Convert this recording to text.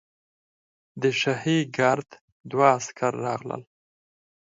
د شاهي ګارډ دوه عسکر راغلل.